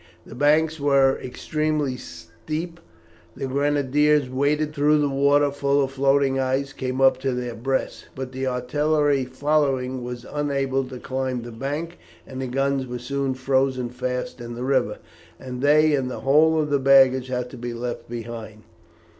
The banks were extremely steep. The Grenadiers waded through the river, though the water, full of floating ice, came up to their breasts; but the artillery following were unable to climb the bank, and the guns were soon frozen fast in the river, and they and the whole of the baggage had to be left behind.